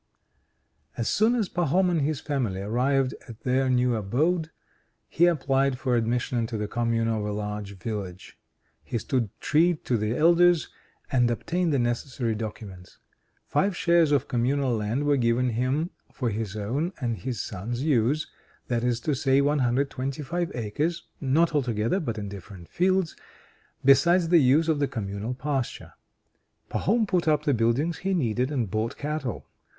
IV As soon as Pahom and his family arrived at their new abode, he applied for admission into the Commune of a large village. He stood treat to the Elders, and obtained the necessary documents. Five shares of Communal land were given him for his own and his sons' use: that is to say 125 acres (not altogether, but in different fields) besides the use of the Communal pasture. Pahom put up the buildings he needed, and bought cattle.